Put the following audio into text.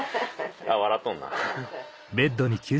笑っとんな。